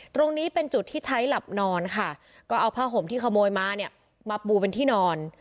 ตรงนี้เป็นจุดที่ใช้หลับนอนค่ะก็เอาผ้าห่มที่ขโมยมาเนี่ยมาปูเป็นที่นอน